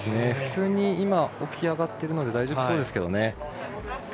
普通に起き上がってるので大丈夫そうですけどね。